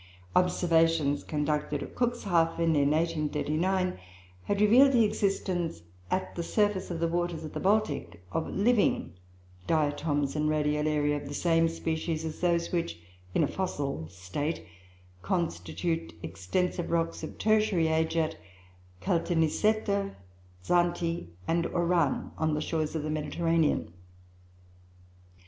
Observations conducted at Cuxhaven in 1839, had revealed the existence, at the surface of the waters of the Baltic, of living Diatoms and Radiolaria of the same species as those which, in a fossil state, constitute extensive rocks of tertiary age at Caltanisetta, Zante, and Oran, on the shores of the Mediterranean.